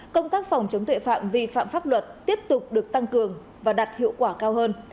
công tác phòng chống tội phạm vi phạm pháp luật tiếp tục được tăng cường và đạt hiệu quả cao hơn